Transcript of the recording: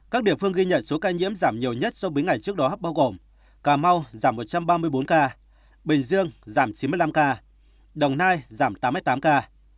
các địa phương ghi nhận số ca nhiễm giảm nhiều nhất so với ngày trước đó bao gồm cà mau giảm một trăm ba mươi bốn ca bình dương giảm chín mươi năm ca đồng nai giảm tám mươi tám ca